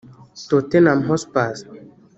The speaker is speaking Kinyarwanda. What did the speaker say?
Tottenham Hotspur